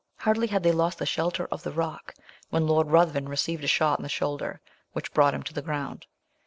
Hardly had they lost the shelter of the rock, when Lord Ruthven received a shot in the shoulder, which brought him to the ground.